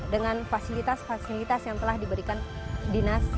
dengan fasilitas fasilitas yang telah diberikan dinas